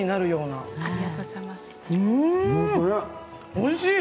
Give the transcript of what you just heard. おいしい。